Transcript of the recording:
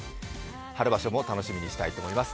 春場所も楽しみにしたいと思います。